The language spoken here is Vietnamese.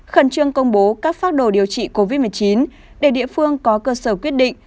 khẩn trương công bố các phác đồ điều trị covid một mươi chín để địa phương có cơ sở quyết định